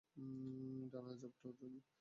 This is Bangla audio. ডানা ঝাপটাও, জনি।